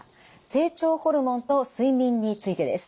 成長ホルモンと睡眠の関係についての質問です。